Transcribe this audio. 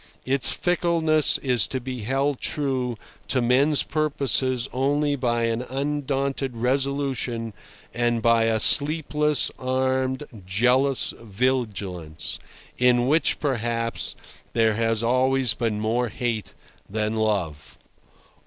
Its fickleness is to be held true to men's purposes only by an undaunted resolution and by a sleepless, armed, jealous vigilance, in which, perhaps, there has always been more hate than love.